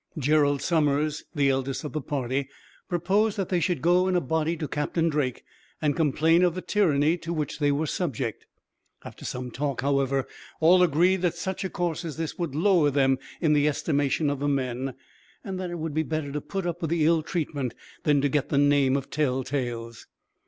Gerald Summers, the eldest of the party, proposed that they should go in a body to Captain Drake, and complain of the tyranny to which they were subject. After some talk, however, all agreed that such a course as this would lower them in the estimation of the men, and that it would be better to put up with the ill treatment than, to get the name of tell tales.